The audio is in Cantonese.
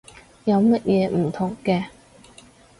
有乜嘢唔同嘅？